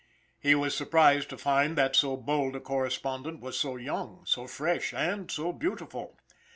He was surprised to find that so bold a correspondent was so young, so fresh, and so beautiful.